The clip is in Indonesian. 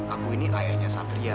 aku ini ayahnya satria